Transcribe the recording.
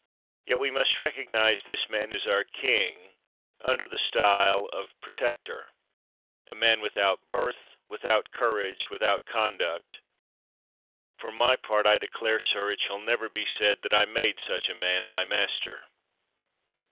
Yet, we must rec ognize this man as our king, under the style of 138 VANE protector! — a man without birth, without cour age, without conduct! For my part, I declare, sir, it shall never be said that I made such a man my master!